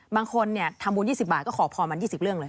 บางคนทำบุญ๒๐บาทก็ขอพรมัน๒๐เรื่องเลย